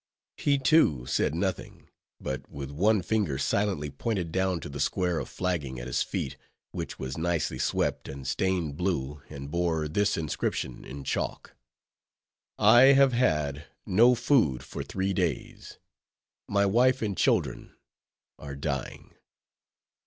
He, too, said nothing; but with one finger silently pointed down to the square of flagging at his feet, which was nicely swept, and stained blue, and bore this inscription in chalk:— _"I have had no food for three days; My wife and children are dying."